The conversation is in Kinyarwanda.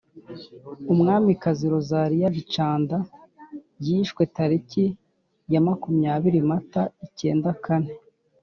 Umwamikazi Rosalie Gicanda yishwe tariki ya makumyabiri, Mata icyenda kane